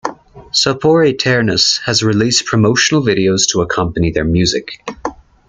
Sopor Aeternus has released promotional videos to accompany their music.